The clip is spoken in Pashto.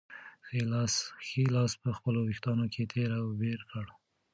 ښی لاس یې په خپلو وېښتانو کې تېر او بېر کړ.